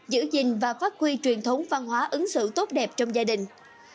giữ gìn và phát huy truyền thống văn hóa ứng xử tốt đẹp trong gia đình